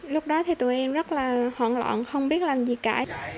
lúc đó thì tụi em rất là hoảng loạn không biết làm gì cả